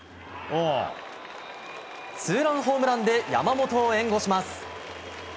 ツーランホームランで山本を援護します。